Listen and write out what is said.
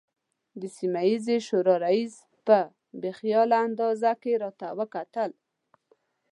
د سیمه ییزې شورا رئیس په بې خیاله انداز کې راته وکتل.